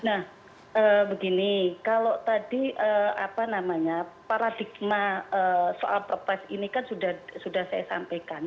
nah begini kalau tadi apa namanya paradigma soal perpres ini kan sudah saya sampaikan